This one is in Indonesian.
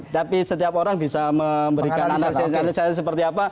tapi setiap orang bisa memberikan analisis seperti apa